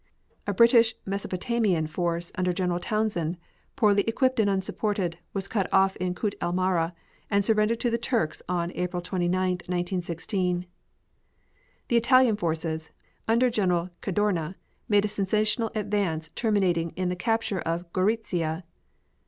A British Mesopotamian force under General Townshend, poorly equipped and unsupported, was cut off in Kut el Amara, and surrendered to the Turks on April 29, 1916. The Italian forces under General Cadorna made a sensational advance terminating in the capture of Gorizia.